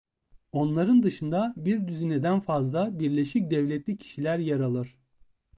Onların dışında bir düzineden fazla Birleşik Devletli kişiler yer alır.